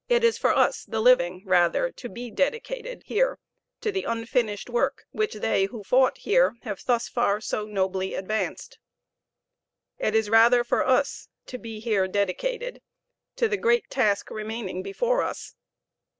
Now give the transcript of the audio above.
It is for us the living, rather, to be dedicated here to the unfinished work which they who fought here have thus far so nobly advanced. It is rather for us to be here dedicated to the great task remaining before us.